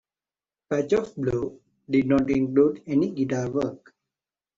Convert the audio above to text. "Patch of Blue" did not include any guitar work.